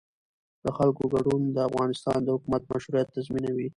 د خلکو ګډون د افغانستان د حکومت مشروعیت تضمینوي